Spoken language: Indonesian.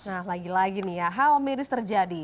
nah lagi lagi nih ya hal medis terjadi